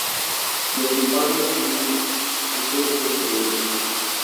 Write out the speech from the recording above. Los tímpanos y estribos de sillería.